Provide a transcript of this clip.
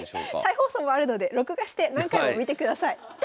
再放送もあるので録画して何回も見てください。